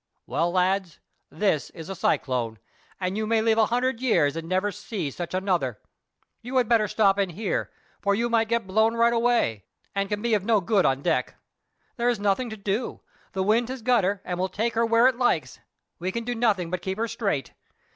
"Well, lads, this is a cyclone, and you may live a hundred years and never see such another. You had better stop in here, for you might get blown right away, and can be of no good on deck. There is nothing to do. The wind has got her and will take her where it likes; we can do nothing but keep her straight.